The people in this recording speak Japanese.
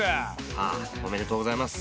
はあおめでとうございます。